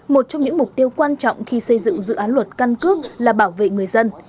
một trong những mục tiêu quan trọng khi xây dựng dự án luật căn cước là bảo vệ người dân